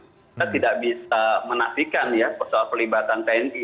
kita tidak bisa menafikan ya soal pelibatan tni